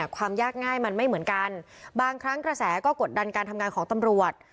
ความยากง่ายมันไม่เหมือนกันบางครั้งกระแสก็กดดันการทำงานของตำรวจ